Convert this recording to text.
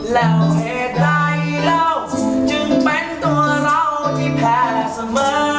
และเหตุใดเราจึงเป็นตัวเราที่แพ้เสมอ